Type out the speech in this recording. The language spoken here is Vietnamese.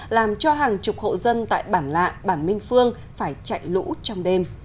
làm cho hàng chục hộ dân tại bản lạ bản minh phương phải chạy lũ trong đêm